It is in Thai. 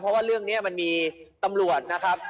เพราะว่าเรื่องนี้มันมีตำรวจนะครับ